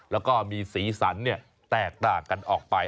แล้วก็มีสีสันแตกต่างกันออกไป